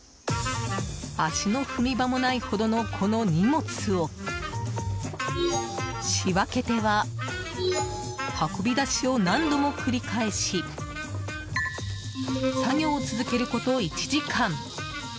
足の踏み場もないほどのこの荷物を仕分けては運び出しを何度も繰り返し作業を続けること１時間。